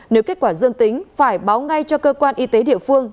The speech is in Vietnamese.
nếu kết quả dương tính phải báo ngay cho cơ quan y tế địa phương